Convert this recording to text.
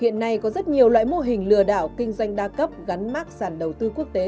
hiện nay có rất nhiều loại mô hình lừa đảo kinh doanh đa cấp gắn mát sản đầu tư quốc tế